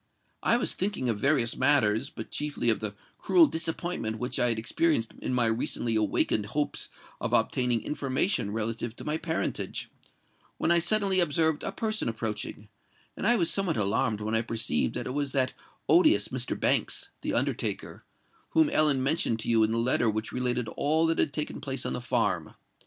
I was thinking of various matters,—but chiefly of the cruel disappointment which I had experienced in my recently awakened hopes of obtaining information relative to my parentage,—when I suddenly observed a person approaching; and I was somewhat alarmed when I perceived that it was that odious Mr. Banks, the undertaker, whom Ellen mentioned to you in the letter which related all that had taken place at the farm.